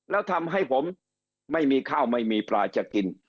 แล้วทำให้ผมไม่มีข้าวไม่มีปลาจะกิน